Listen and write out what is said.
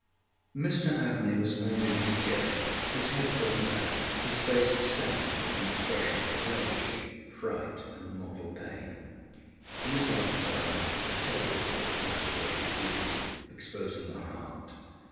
ŌĆØ Mr Abney was found in his chair, his head thrown back, his face stamped with an expression of rage, fright, and mortal pain. In his left side was a terrible lacerated wound, exposing the heart.